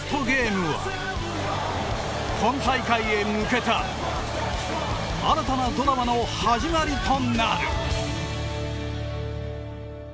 ゲームは本大会へ向けた新たなドラマの始まるとなる。